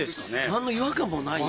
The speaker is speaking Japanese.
何の違和感もない。